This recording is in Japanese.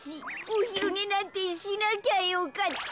おひるねなんてしなきゃよかった。